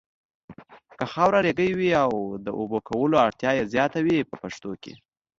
که خاوره ریګي وي د اوبو کولو اړتیا یې زیاته وي په پښتو ژبه.